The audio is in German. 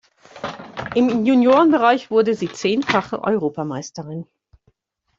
Im Juniorenbereich wurde sie zehnfache Europameisterin.